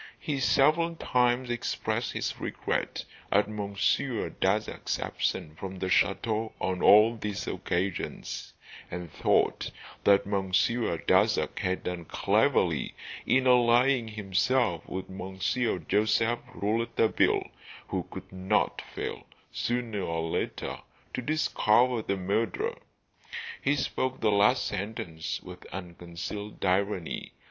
He several times expressed his regret at Monsieur Darzac's absence from the chateau on all these occasions, and thought that Monsieur Darzac had done cleverly in allying himself with Monsieur Joseph Rouletabille, who could not fail, sooner or later, to discover the murderer. He spoke the last sentence with unconcealed irony.